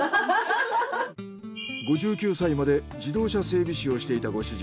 ５９歳まで自動車整備士をしていたご主人。